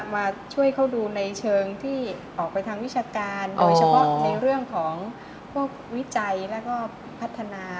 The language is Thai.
มาช่วยเขาดูในเชิงที่ออกไปทางวิชาการโดยเฉพาะในเรื่องของพวกวิจัยแล้วก็พัฒนา